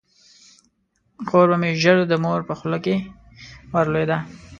خور به مې ژر د مور په خوله کې ور ولویده.